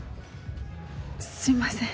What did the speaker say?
すいません。